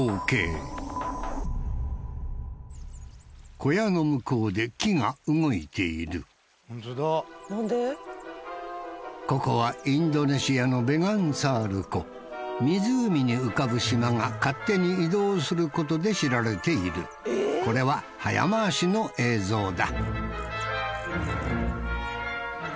小屋の向こうで木が動いているここはインドネシアの湖に浮かぶ島が勝手に移動することで知られているこれは早回しの映像だ